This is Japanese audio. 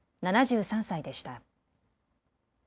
７３歳でした。